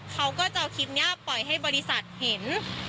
เขาก็จะเอาคลิปนี้ปล่อยให้บริษัทเห็น